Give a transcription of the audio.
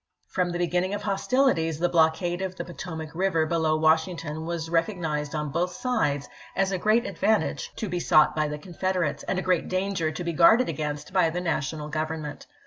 From the beginning of hostilities the blockade of the Potomac River below Washington was rec ognized on both sides as a gi*eat advantage to be THE AEMY OF THE POTOMAC 451 sought by the Confederates, and a great danger to ch. xxv. be guarded against by the national Grovernment.